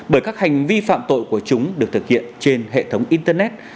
bởi các hành vi phạm tội của chúng được thực hiện trên hệ thống internet